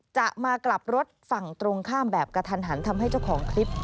จะมากลับรถฝั่งตรงข้ามแบบกระทันหันทำให้เจ้าของคลิป